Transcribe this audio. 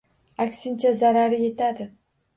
Aksincha, zarari yetadi.